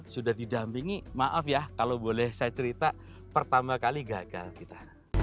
sudah didampingi maaf ya kalau boleh saya cerita pertama kali gagal kita